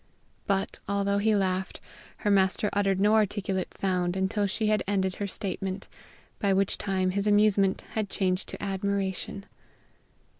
But, although he laughed, her master uttered no articulate sound until she had ended her statement, by which time his amusement had changed to admiration.